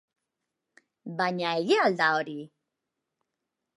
Baina egia al da hori?